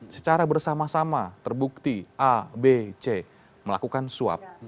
secara bersama sama terbukti a b c melakukan swab